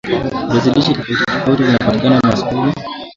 viazi lishe tofauti tofauti vinapatikana masokoni